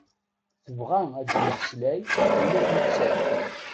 Tebɣa ad mmeslay ula d nettat.